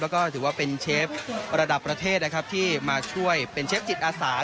แล้วก็ถือว่าเป็นเชฟระดับประเทศนะครับที่มาช่วยเป็นเชฟจิตอาสา